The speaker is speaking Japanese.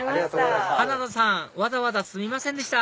花田さんわざわざすいませんでした